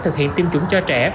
thực hiện tiêm chủng cho trẻ